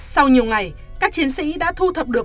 sau nhiều ngày các chiến sĩ đã thu thập được